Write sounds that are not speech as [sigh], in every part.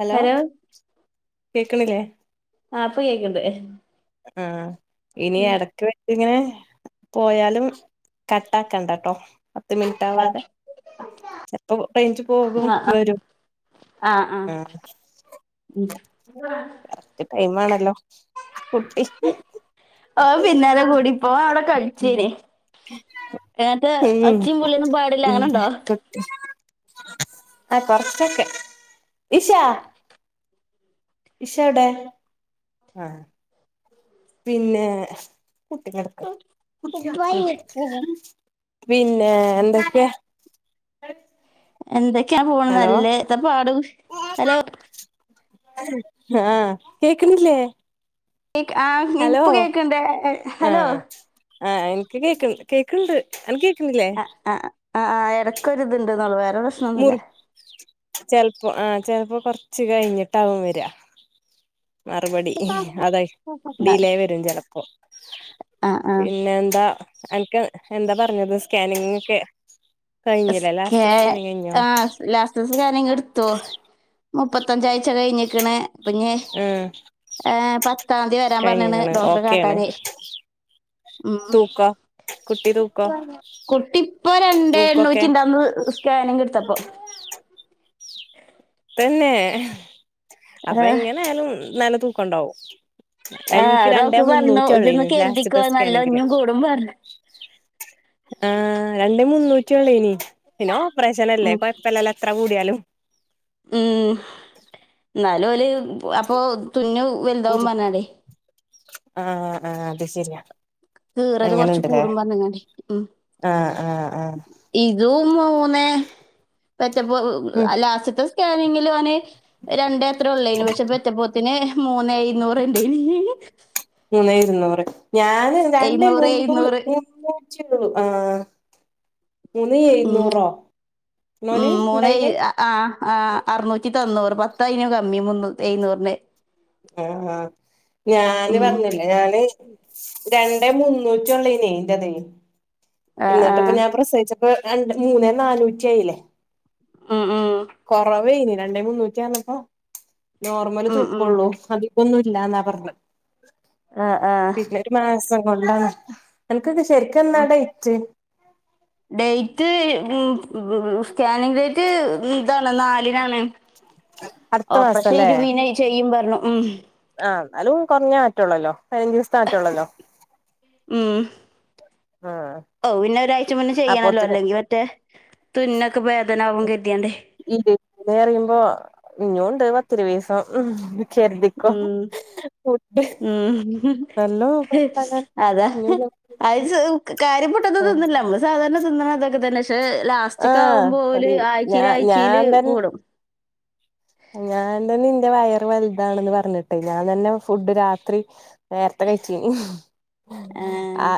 Hello കേക്ക്ണില്ലേ ആഹ് ഇപ്പം കേക്ക്ണ്ട് ആഹ് ഇനി എടക്ക് എടക്ക് ഇങ്ങനെ പോയാലും കട്ട് ആക്കണ്ട ട്ടോ പത്ത് മിനിറ്റ് ആവാതെ ചിലപ്പോ റേഞ്ച് പോകും വരും ആഹ് ആഹ് ഉമ് കറക്റ്റ് ടൈം ആണല്ലോ കുട്ടി ഓൻ പിന്നാലെ കൂടി ഇപ്പോ അവിടെ ഉം കളിച്ചേന എങ്ങനത്തെ അച്ചിയും പുള്ളനും പാടില്ല ഇന്റെ അങ്ങനെണ്ടോ കുട്ടി ആഹ് കൊറച്ചൊക്കെ ഇഷാ ഇഷോടെ ആഹ് പിന്നെ കുട്ടികടക്ക പിന്നെ എന്തൊക്കെയ അഹ് എന്തൊക്കെയാ പോണ നല്ലേ ഇത പാട് ഹലോ ആഹ് കേക്ക്ണില്ലേ കേക്ക് ആഹ് ഇപ്പ കേക്ക്ണ്ട് ഹലോ ആഹ് ആഹ് എനിക്ക് കേക്ക കേക്ക്ണ്ട് എനി കേക്കുന്നില്ലേ ആഹ് ആഹ് ഇടയ്ക്കൊ ഇത്ണ്ട്ന്നുള്ള പറേ മുറി ചിലപ്പോ ആഹ് ചിലപ്പോ കൊറച്ച് കഴിഞ്ഞിട്ടകും വരാ മറുപടി അത ഡിലേ വരും ചിലപ്പോ ആ ആ ആ പിന്നെ എന്താ അനക്ക് എന്താ പറഞ്ഞത് സ്കാനിങ്ങ ഒക്കെ കഴിഞ്ഞല്ലേ ലാസ്റ്റ് സ്കാനിംഗ് കഴിഞ്ഞോ ലാസ്റ്റ് സ്കാനിംഗ് എടുത്തോ മുപ്പത്തഞ്ചാഴ്ച കഴിഞ്ഞിക്കണ പ ഞ്ഞി ഉം ഏഹ് പത്താം തിയതി വരാൻ പറഞ്ഞണ് കഴിഞ്ഞ്ക്ക്ണ് ഡോക്ടറെ കാട്ടാന് ഉം തൂക്ക കുട്ടി തൂക്കാ കുട്ടി ഇപ്പൊ രണ്ട് എണ്ണൂറ്റി ഉണ്ടന്ന് സ്കാനിങ് എടുത്തപ്പൊ തന്നെ അപ്പ ഏഹ് എങ്ങനെ ആയാലും നല്ല തൂക്ക ഉണ്ടാവും എനിക്ക് ഏഹ് രണ്ടേ ഡോക്ടർ പറഞ്ഞു മുന്നൂറ്റിയ ഇതൊന്ന് ഉള്ളന്ന് ലാസ്റ്റ് കരുതിക്കോ തെ നല്ല സ്കാനിംഗ് ൽ ഒഞ്ഞും കൂടും പറഞ്ഞു ആഹ് രണ്ടേ മുന്നൂറ്റിയള്ള ഇനി പിന്നെ ഓപ്പറേഷനല്ലേ ഉം. കൊഴപ്പല്ല ല്ല എത്ര കൂടിയാലും ഉം ന്നാലും ഓല് അപ്പൊ തുന്നോ വലുതാവും പറഞ്ഞാടേ ആഹ് ആഹ് അത് ശരിയാ കീറല് കുറച്ച് അങ്ങനെണ്ട് ലെ കൂടും പറഞ്ഞങ്ങാണ്ടേ ഉം. ആഹ് ആഹ് ആഹ് ഇതും മൂന്നേ പെറ്റപ്പോ ഉം ലാസ്റ്റത്തെ സ്കാനിംഗ് അവന് രണ്ട എത്ര ഉള്ളേന് പക്ഷെ പെറ്റപ്പോത്തിന് മൂന്ന് എഴുന്നൂറ്ണ്ടേനീ മൂന്നേ ഇരുന്നൂർ ഞാന് രണ്ടേ എഴുന്നൂറ് മുന്നൂ എഴുന്നൂറ് മുന്നൂറ്റിയള്ളൂ ആഹ് മൂന്ന് ഉം എഴുന്നൂറോ മോന് ഉണ്ടായിനെ ആഹ് ആഹ് അറനൂറ്റി തണ്ണൂറ് പത്ത അയ്ൻ കമ്മി മുന്ന എയുന്നൂറിന് ആഹ് ആഹ് ഞാന് ഉം പറഞ്ഞില്ലേ ഞാന് രണ്ടേ മുന്നൂറ്റ ഉള്ള ഇന്റെ ത് ആ ആ ഇന്നിട്ട് അപ്പൊ ഞാൻ പ്രസവിച്ചപ്പോ രണ്ട് മൂന്നേ നാനൂറ്റിയില്ലേ ഉം ഉം കൊറവേ ഇനി രണ്ടേ മുന്നൂറ്റിയ ആന്നപ്പ നോർമല് ഉം ഉം തൂക്കള്ളൂ അത് ഒന്നുല്ല എന്നാ പറഞ്ഞത് ആഹ് ആഹ് പിന്നെ മാസം കൊള്ള എനക്ക് എന്നാ ശരിക്കക്കെന്നാ ഉം ടെയ്റ്റ് ഡേറ്റ് സ്കാനിങ് ഡേറ്റ് ഇതാണ് നാലിനാണ് അടുത്ത ആഹ് പക്ഷേ മാസല്ലേ ഇരു വീന ചെയ്യും പറഞ്ഞു ഉം ആഹ് എന്നാലും കുറഞ്ഞ മാറ്റള്ളല്ലോ പതിനഞ്ച് ദിവസത്തെ മാറ്റള്ളല്ലോ ഉം ഓ പിന്നെ ഒരാഴ്ച മുന്നേ ചെയ്യണല്ലോ അപ്പൊത്തിന് അല്ലെങ്കിൽ മറ്റേ തുന്നെക്കെ വേദന ആവൂ കര്തിയാണ്ടെ ഇല്ല ഇ അറിയുമ്പോ ഇഞ്ഞുണ്ട് പത്തി ഇരുവീസം ഉം ചര്തിക്കോ. ഉം ഉം നോക്കണ്ടാകാൻ അതാ ഇഞ്ഞൊരു അയിസ കാര്യം പൊട്ടന്നും തിന്നില്ല അമ്മള് സാധാരണ തിന്നണതൊക്കെ തന്നെ പശെ ലാ സ്റ്റ ആഹ് അത് ക്കാവുമ്പോല് ഞാ ആയ്ച്ചീലയ്ച്ചീല് ഞാൻ തന്നെ പോവണം. ഞാൻ തന്നെ ഇന്റെ വയർ വല് താ വണംപറഞ്ഞിട്ട് ഞാൻ തന്നെ ഫുഡ് രാത്രി നേരത്തെ കഴിച്ചിനി. ആഹ്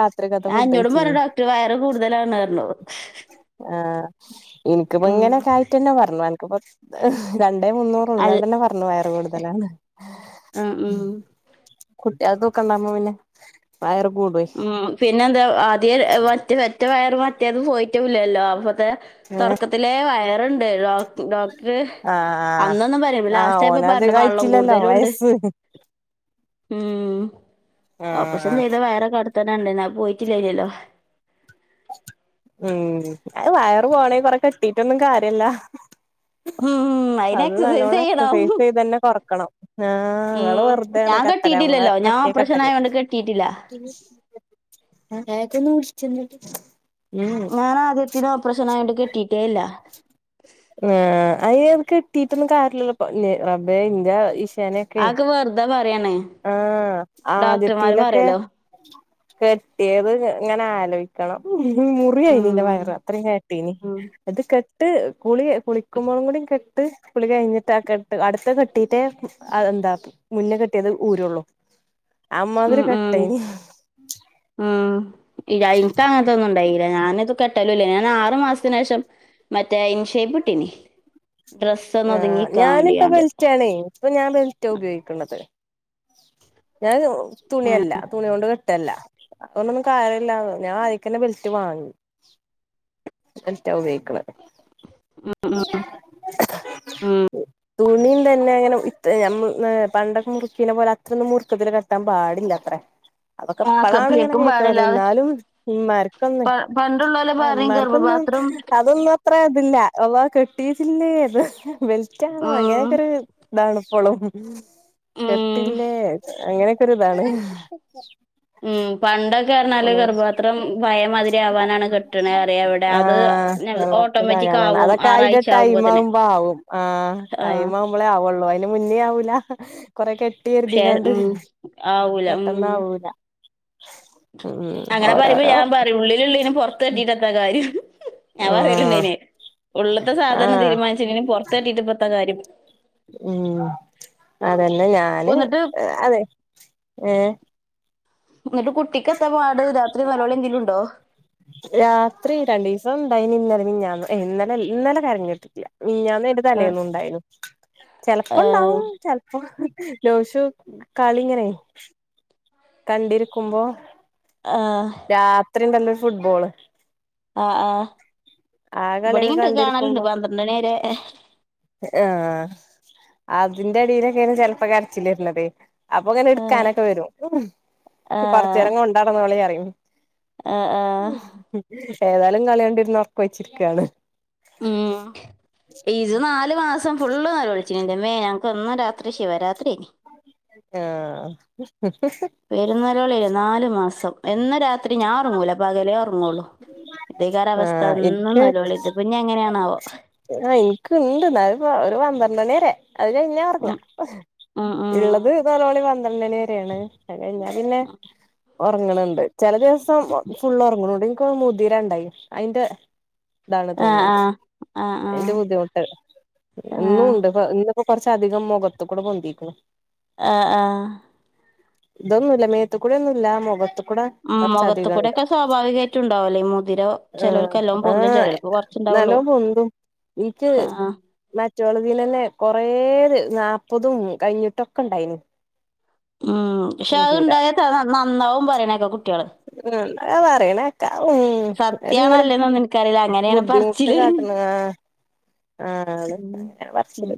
രാത്രിക്കത്തെ അഹ് ഫുഡ് ഇഞ്ഞോടും പറഞ്ഞു കഴിച്ചീനി ഡോക്ടർ വയറ് കൂടുതലാണ് അറഞ് ആഹ് ഇനിക്കിപ്പോ ഇങ്ങനെ ആയിറ്റെന്നെ പറഞ്ഞു അ ന്ക്കിപ്പോ രണ്ടേ മുന്നൂറ് അൽ അങ്ങനെ തന്നെ പറഞ്ഞു വയറ് കൂടുതലാണ് ഉം ഉം കുട്യേള് തൂക്കണ്ടാവുമ്പോ പിന്നെ വയറ് കൂടൊയ് പിന്നെ എന്താ ആദ്യ മറ്റ മറ്റ വയറ് മറ്റേത് പോയിറ്റൂല്ലല്ലോ അപ്പത്തെ ഏഹ് തൊടക്കത്തിലെ വയറ്ണ്ട് ഡോ ഡോക്ട്റ് ആഹ് ആഹ് വള്ളം ഓനതികായിറ്റില്ലല്ലോ കൂടുതലും ഉണ്ട്. വയസ്സ് ഉം ഓപ്പറേഷൻ ആഹ് ചെയ്ത വയറൊക്കെ അടുത്തന്നണ്ടയ്നി അവ് പോയിട്ടില്ല ഇല്ലല്ലോ. ഉം അയ് വയറ് പോണെ കൊറെ കെട്ടീറ്റൊന്നും കാര്യല്ല ഉം ഉം. അയിന് അത് എക്സസൈസ് നല്ലോണം ചെയ്യണം. എക്സസൈസ്യ്ത് തന്നെ കൊറക്കണം ആഹ് ഉം. വെറുതെണ് ഞാൻ തെ അമ്മളെ കെട്ടിയിട്ടില്ലല്ലോ. ഞാൻ മറ്റേ ഓപ്പറേഷൻ കെട്ടൽ ആയോണ്ട് കെട്ടിയിട്ടില്ല. [inaudible] ഞാനദ്യത്തില് ഓപ്പറേഷനായൊണ്ട് കിട്ടീട്ടേല്ല ആഹ് അയ് കിട്ടീറ്റൊന്നും കാര്യല്ലല്ലോ പ്പൊ ഇഞ് റബ്ബേ ഇന്റെ ശ് ആ ഒക്കെ വെർതെ പറയാണ്. ആഹ് ഡോക്ടർമാര് ആദിത്തിലൊക്കെ. പറയല്ലോ. കെട്ട്യേത് ഇങ്ങനെ ആലോയിക്കണം. മുറിയെയിനി ഉം. ഇന്റെ വയറ് അത്രേം കെ ട്ടീനി ഉം. അത് കെട്ട് കുളി കുളിക്കുമ്പോഴുംകൂടി കെ ട്ട് കുളി കഴിഞ്ഞിട്ട് അഹ് കെട്ട് അടുത്ത കെട്ടീടെ അഹ് എന്താ മുന്നെ കെ മറ്റേത് ഊരൊള്ളൂ. ഉം അമ്മാതിരി ഉം കെട്ടേനി ഉം ഇയ്യ ഇനിക്ക് അങ്ങനതൊ ന്നും ഇണ്ടായില ഞാനത് കെ- ട്ടലോല്ലേ ഞാനാ ആറു മാസത്തിനേഷം മറ്റേ ഇൻഷേപ്ട്ടീനി. ആഹ് ഞാനിപ്പ വേണ്ടിയാണ്ട്. ബെൽറ്റാണേ ഇപ്പൊ ഞാൻ ബെൽറ്റ ഉപയോഗിക്കണത്. ഞാൻ തുണിയല്ല തുണ്യോണ്ട് കെട്ടല്ല അപ്പൊന്നും കാര്യ ഇല്ല ഞാ ആയിക്കന്നെ ബെൽറ്റ് വാങ്ങി റ്റ ഉപോഗിക്കണ് ഉം. തുണി തന്നെ അങ്ങനെ ഇ തെ പണ്ടൊക്കെ മുറുക്കീനെ പോലെ അതൃന്നും മുറുക്കത്തില് കെട്ടാൻ പാടില്ലത്ര. [inaudible] ആക്ക് അതൊക്കെപ്പളാണ്ങ്ങനെ ശരിക്കും കേക്ക് പാടില്ല. ണത് അത് ഇന്നാലും ഇമ്മാർക്കൊന്നെ പ പണ്ടുള്ളോല് ആഹ് പറയും ഇമ്മാർക്കൊന്നും ഗർഭപാത്രം അതൊന്നും അത്ര ഇതില്ല അള്ളാ കെട്ടീട്ടില്ലേ ഇത് ബെൽറ്റാണോ ഉം. അങ്ങനൊക്കെരു ഇതാണ് ഇപ്പളും ഉം. കെട്ടില്ലേ അങ്ങനെക്കെരു ഇതാണ്. ഉം പണ്ടൊക്കെ പറഞ്ഞാല് ഓഹ് ഗർഭപാത്രം പഴയ മാതിരി ആവാനാണ് കെട്ടണേ പറയാ ഇവിടെ അത് ആഹ് ഓട്ടോമാറ്റിക് [unintelligible] ആവും അതൊക്കെ അയിന്റെ ആറാഴ്ച ആവുമ്പോത്തിന് ടൈമാവുമ്പോ ആവും ആഹ് ആഹ് ടൈമാവു മ്പളെ ആവുള്ളൂ അയിന് മുന്നേ ആവൂല കൊറെ ട്ടി പക്ഷെ കാരുതിക്കാണ്ട് ഉം ആവൂല ഉം പെട്ടന്നാവൂല. അങ്ങനെ പറിമ്പോ ഓരോരോ ഞാൻ പറയും ഉള്ളിലില്ലെനെ പൊറത്തട്ടിറ്റെന്താ കാര്യം. ഞാൻ ആഹ് പറയല്ണ്ടായിനി ഉള്ളത്തെ സാധനം ആഹ് തീരുമാനിച്ചന്നതിന് പൊറത്തട്ടിട്ട്പ്പത്ത കാര്യം. ഉം അതന്നെ ഞാന് എന്നിട്ട് അതെ ഏഹ്. ഇന്നിട്ട് കുട്ടിക്കെത്താ പാട് രാത്രി നൊലോളിന്തലുണ്ടോ? രാത്രി രണ്ടിസം ഇണ്ടായിന് ഇന്നലെ മിഞ്ഞാന്ന് ഇന്നല ഇന്നലെ കരഞ്ഞട്ടില്ല. മിഞ്ഞന്നും അയിന്റെ ആഹ് തലേന്നും ഇണ്ടായിന്നു. ചെലപ്പോ ആഹ് ഇണ്ടാവും ചെലപ്പോ നൗഷു കളി ഇങ്ങനെ. കണ്ടിരിക്കുമ്പോ ആഹ് രാത്രിയുണ്ടല്ലോ ഫുട്ബോള് ആഹ് ആഹ് ആ കളിയൊക്കെ ഇവിടെയിണ്ട് കാണലുണ്ട് പന്ത്രണ്ടണി വരെ ആ അതിന്റെടിയിലൊക്കെയാണ് ചെലപ്പോ കരച്ചിലുവരുന്നത് അപ്പൊ അങ്ങനെ ആഹ് എടുക്കാനൊക്കെ വരും ആഹ് കൊറച്ചേരാം കൊണ്ടാടന്നോളി പറയും ആഹ് ആഹ് ഏതായാലും കളിയണ്ടിരുന്ന് ഉറക്കൊയിച്ചിരിക്കയാണ് ഉം ഇത് നാല് മാസം ഫുള്ള് നേലോളിച്ചിന് എന്റമ്മേ വന്ന രാത്രി ശിവ രാത്രിയായി ആഹ് ഹിഹ്ഹ് പെരും നേലോളിയാണ് നാലു മാസം എന്ന് രാത്രി ഞാൻ ഉറങ്ങൂല പകലേ ഉറങ്ങുള്ളൂ ഇതെക്കാണവസ്ഥ ആഹ് എന്നും നെലോളി ഇത് ഇപ്പോഞ്ഞ് എങ്ങനെയാണാവോ ആ എനക്ക്ണ്ട് എന്നാലും ഒരു പന്ത്രണ്ട് മണി വരെ അത് കഴിഞ്ഞ ഉറങ്ങാ ഉം, ഉം, ഉം. ഇള്ളത് നെലോളി പന്ത്രണ്ടണി വരെയാണ് ആ കഴിഞ്ഞ പിന്നെ ഉറങ്ങണണ്ട് ചില ദിവസം ഫുള്ള് ഉറങ്ങണണ്ട് എനക്ക് തോന്നുന്നു മുതിരണ്ടായി അയിന്റെ ഇതാണ് ആ ആ തോന്നുന്നുണ്ട് ആ ആ അയിന്റെ ബുദ്ധിമുട്ട് ആ ഇന്നുണ്ട് ഇന്നിപ്പോ കൊറച്ചധികം മുഖത്തുക്കൂടെ പൊന്തീക്കുണു ആഹ് ആഹ് ഇതൊന്നുമില്ല മേത്തുക്കൂടി ഒന്നുമില്ല മുഖത്തു മ്മ് മുഖത്ത്ക്കൂടെയൊക്കെ സ്വാഭാവികമായിട്ട് ഉണ്ടാവല്ലോ ഈ മുതിര ആഹ് ചേലോൽക്ക് പൊന്തും ആഹ് ചേലോൽക്ക് കുറച് നല്ലോം പൊന്തും നിക്ക് മറ്റുള്ളതിന്ന്നെ കൊറേ നാല്പ്പതും കഴിഞ്ഞിട്ടൊക്കെണ്ടായിന് ഉം പക്ഷെ അത്ണ്ടായ നന്നാവും പറയണേക്ക കുട്ടികള് മ്മ് ന്താ പറയണേ ഉം സത്യാണോ [unintelligible] അല്ലെന്നൊന്നും എനിക്കറിയില്ല അങ്ങനെയാണ് ബുദ്ധിമുട്ട് പറച്ചില് കാട്ടുണാ ആ ഉം അങ്ങന ഉം പറച്ചില്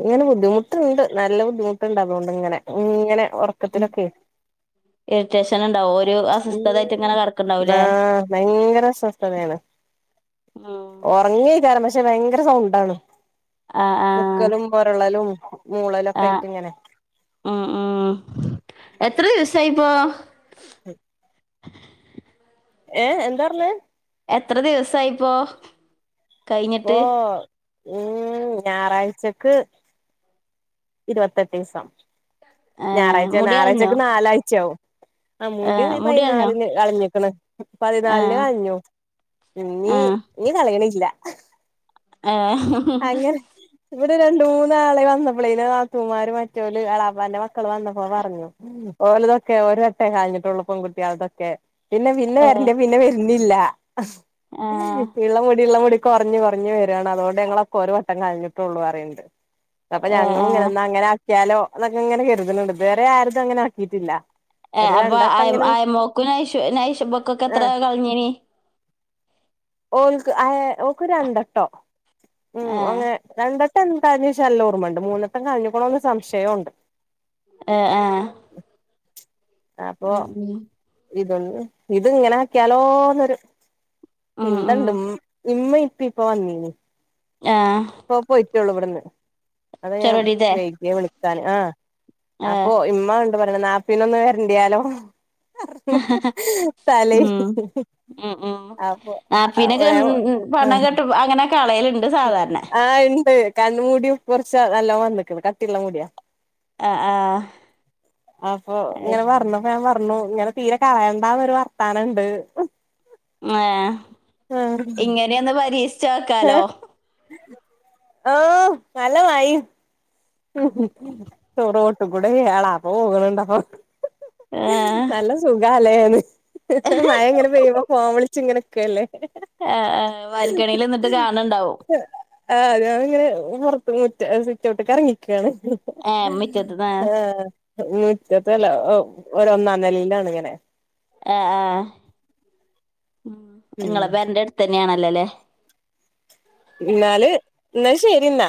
ഇങ്ങനെ ബുദ്ധിമുട്ട് ണ്ട് നല്ല ബുദ്ധിമുട്ടുണ്ട് അതുകൊണ്ടിങ്ങനെ ഇങ്ങനെ ഉറക്കത്തിലൊക്കെ ഇറിറ്റേഷനുണ്ടാവും ഒരു അസ്വസ്ഥതായിട്ട് ഇങ്ങനെ കെടക്കുണ്ടാവൂല്ലേ ആഹ് ഭയങ്കര ആഹ് ഉറങ്ങിക്കാരം പക്ഷെ ഭയങ്കര സൗണ്ടാണ് ആഹ് ആഹ് മുക്കലും മൊരണ്ടാലും മൂളലൊക്കെ ആഹ് ആയിട്ടിങ്ങനെ ഉം ഉം എത്ര ദിവസായിപ്പൊ എന്താപറഞ്ഞെ എത്ര ദിവസായിപ്പോ ഇപ്പോ കഴിഞ്ഞിട്ട് ഉം ഞായറാഴ്ചക്ക് ഇരുപത്തെട്ടീസം ഏഹ് ഞായറാഴ്ച മുടി കളഞ്ഞോ ഞായറാഴ്ചക്കെ നാലാഴ്ചയാവും അ മുടി ആഹ് കളഞ്ഞോ പതിനാലിന് കളഞ്ഞിക്കണ് പതിനാലിന് ആഹ് കളഞ്ഞു ഇന്നി ആഹ് ഇനി കളയണില്ല ഏഹ് അങ്ങനെ ഇവടെ രണ്ട് മൂന്നാള് വന്നപ്പോളെ ന്റെ നാത്തൂമാര് മറ്റൊല് അളാപ്പാന്റെ മക്കൾ വന്നപ്പോ പറഞ്ഞു ഓലതൊക്കെ ഒരു വട്ടേ കഴിഞ്ഞിട്ടുള്ള പെൺകുട്ട്യോൾതൊക്കെ പിന്നെ പിന്നെ ഏഹ് വരണ്ട പിന്നെ വരുന്നില്ല ആഹ് ഏഹ് ഇള്ള മുടി ഇള്ള മുടി കൊറഞ്ഞു കൊറഞ്ഞു വരാണ് അതൊണ്ട്ഞങ്ങളൊക്കെ ഒരു വട്ടം കളഞ്ഞിട്ടള്ളൂ പറേണണ്ട് അപ്പൊ ഞങ്ങളും ഏഹ് ഇങ്ങന ന്ന അങ്ങനെ ആക്കിയാലോന്നൊക്കെയിങ്ങന കരുതുന്നുണ്ട് ഇതുവരെ ആരതും അങ്ങനെ ആക്കിട്ടില്ല ഏ അപ്പ അയമോക്കും നൈശുൈഷു ബോക്കൊക്കെ എത്ര ആഹ് കളിഞ്ഞീന് ഓക്ക് ആയെ ഓക്ക് രണ്ടട്ടോ ഉം ആഹ് അങ്ങനെ രണ്ടെട്ടം എന്താഞീച്ച നല്ലൊർമയുണ്ട് മൂന്നട്ടം കളഞ്ഞിക്കണന്ന് സംശയം ഉണ്ട് ആഹ് അപ്പൊ ഉം ഇതൊന്ന് ഇത് ഇങ്ങനെ ആക്കിയാലോന്നൊരു ഉം ഉം ഉം പിന്തണ്ട് ഇമ്മി ഇപ്പീ ഇപ്പൊ വന്നീനി ആഹ് പ പോയ്റ്റേള്ളൂ ഇവിടുന്ന് അത ഞാൻ ചെറുതീത്തെ വൈകിയ വിളിക്കാന് ആ ആഹ് അപ്പൊ ഇമ്മ ഉ പറ നാപ്പിനൊന്ന് വരണ്ട്യലോ [inaudible] ഉം ഉം ഉം അപ്പൊ നാപിന്നെക്കേ ആഹ് പണ്ടം കെട്ട അങ്ങനെക്കേ കളയൽ ആഹ് ഇണ്ട് ക മുടി കുറച്ചാ നല്ല വന്നിക്കന്ന് കട്ടിള്ള മുടിയാ ആഹ് ആഹ് അപ്പൊ ഇങ്ങനെ പറഞ്ഞു ഞാൻ പറഞ്ഞു ഇങ്ങനെ തീരെ കളയേണ്ടന്ന ഒരു വർത്താനംണ്ട് ഏഹ് ആഹ് ഇങ്ങനെയൊന്ന് പരീക്ഷിച്ചോക്കാലോ ഓ നല്ല മഴിം ചോറോട്ടും കൂടെ അളാപ്പ പോകലണ്ടപ്പ ആ, നല്ല സുഖാല്ലെന്ന് മഴ എങ്ങനെ പെയ്യുമ്പോ പോം വിളിച്ച ഇങ്ങനെക്കെല്ലേ ആ വാർക്കണിയിൽ നിന്നിട്ട് കാണണ്ടാവോ ആഹ് അത്ഞങ്ങനെ പൊറത്ത് മുറ്റ സ്വിറ്റ്ഔട്ട് ക ഇറങ്ങിക്കയാണ് ഏ മുറ്റത്ത് നിന്ന്. ആഹ് നൂറ്റത്തെല്ല ഒ ഒന്നാം നല്ലിലാണ് ഇങ്ങനെ ആ ആഹ് ഉം ങ്ങളെ പേരന്റെ അടുത്തന്നെയാണല്ലോ ല്ലേ ഇന്നാല് ഇന്നാ ശരിന്നാ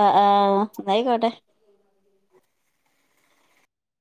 ആഹ് ആഹ് ന്നായിക്കട്ടെ